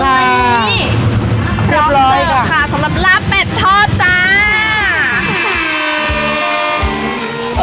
พร้อมเสิร์ฟค่ะสำหรับลาบเป็ดทอดจ้า